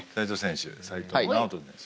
齋藤直人選手。